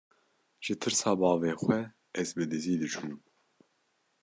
ji tirsa bavê xwe ez bi dizî diçûm.